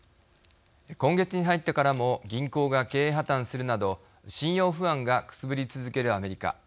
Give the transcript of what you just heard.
今月に入ってからも銀行が経営破綻するなどくすぶり続けるアメリカ。